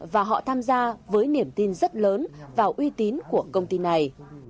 và họ tham gia với niềm tin rất lớn vào uy tín của công ty này